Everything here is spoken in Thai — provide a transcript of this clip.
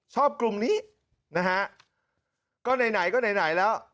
๘๒๓ชอบกลุ่มนี้นะฮะก็ในไหนก็ในไหนแล้ว